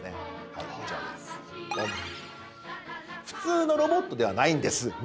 普通のロボットではないんです。